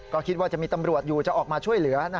ก็คิดว่าจะมีตำรวจอยู่จะออกมาช่วยเหลือ